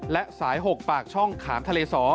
และสาย๖ปากช่องขามทะเล๒